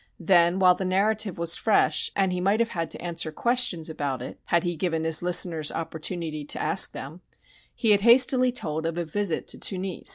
Then, while the narrative was fresh and he might have had to answer questions about it had he given his listeners opportunity to ask them, he had hastily told of a visit to Tunis.